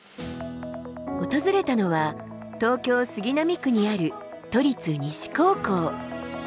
訪れたのは東京杉並区にある都立西高校。